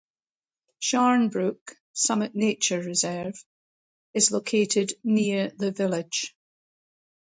Sharnbrook Summit nature reserve is located near the village.